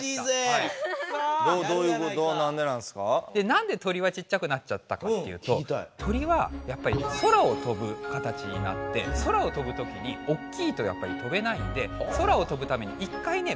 なんで鳥はちっちゃくなっちゃったかっていうと鳥はやっぱり空を飛ぶ形になって空を飛ぶときにおっきいとやっぱり飛べないんで空を飛ぶために一回ね